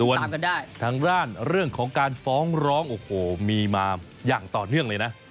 ส่วนทางด้านเรื่องของการฟ้องร้องโอ้โหมีมาอย่างต่อเนื่องเลยนะ